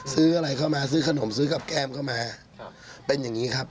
ซื้ออะไรเข้ามาซื้อขนมซื้อกับแก้มเข้ามาเป็นอย่างนี้ครับ